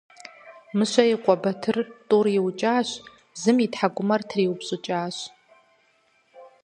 Мыщэ и къуэ Батыр тӀур иукӀащ, зым и тхьэкӀумитӀыр триупщӀыкӀащ.